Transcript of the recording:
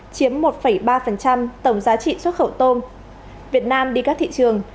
chiếm một ba tổng giá trị xuất khẩu tôm việt nam đi các thị trường